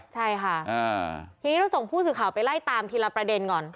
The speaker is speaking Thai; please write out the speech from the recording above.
ใช่ค่ะทีนี้เราส่งผู้สื่อข่าวไปไล่ตามทีละประเด็นก่อน